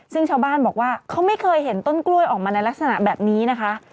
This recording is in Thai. ซึ่งชาวบ้านบอกว่าเขาไม่เคยเห็นต้นกล้วยออกมาในลักษณะแบบนี้นะคะ